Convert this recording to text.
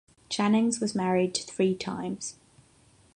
Jannings was married three times.